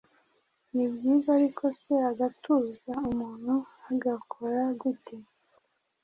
Nibyiza Arikose Agatuza Umuntu Agakora gute